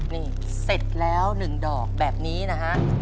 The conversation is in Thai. นี่เสร็จแล้ว๑ดอกแบบนี้นะฮะ